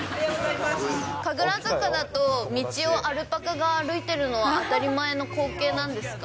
神楽坂だと、道をアルパカが歩いてるのは当たり前の光景なんですか？